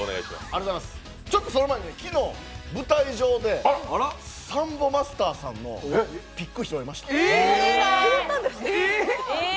その前に、昨日、舞台上でサンボマスターさんのピック拾いました。